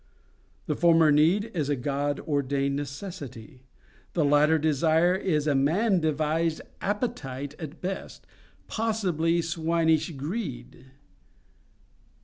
The former need is a God ordained necessity; the latter desire a man devised appetite at best—possibly swinish greed.